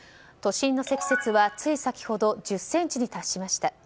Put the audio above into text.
都心の積雪はつい先ほど１０ｃｍに達しました。